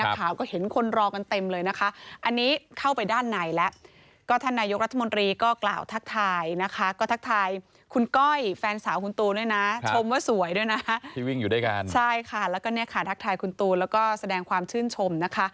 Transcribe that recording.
ชาวค่าทักทายคุณตูนและแสดงความชื่นชม